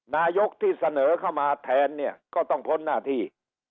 นายกที่เสนอเข้ามาแทนเนี่ยก็ต้องพ้นหน้าที่